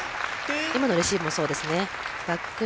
今のレシーブもそうですね。